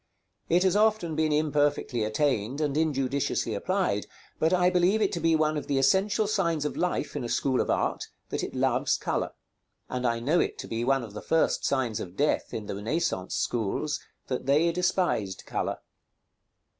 It has often been imperfectly attained and injudiciously applied, but I believe it to be one of the essential signs of life in a school of art, that it loves color; and I know it to be one of the first signs of death in the Renaissance schools, that they despised color.